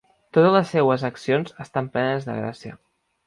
Totes les seues accions estan plenes de gràcia;